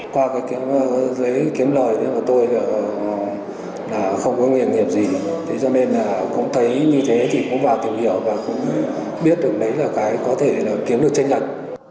qua các giấy kiếm lời thì tôi là không có nghiệp gì cho nên là cũng thấy như thế thì cũng vào tìm hiểu và cũng biết được đấy là cái có thể kiếm được tranh nhận